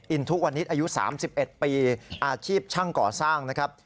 ทุกวันนี้อายุ๓๑ปีอาชีพช่างก่อสร้างนะครับ